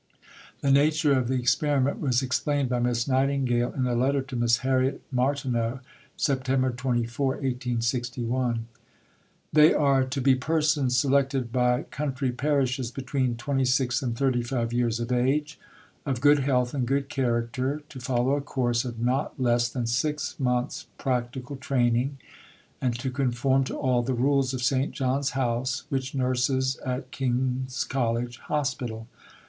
The nature of the experiment was explained by Miss Nightingale in a letter to Miss Harriet Martineau (Sept. 24, 1861): They are to be persons selected by country parishes between 26 and 35 years of age, of good health and good character, to follow a course of not less than 6 months' practical training, and to conform to all the rules of St. John's House which nurses at King's College Hospital.